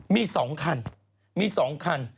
มี๒ถัง